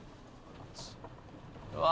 うわ。